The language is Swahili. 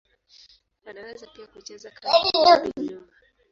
Anaweza pia kucheza kama kurudi nyuma.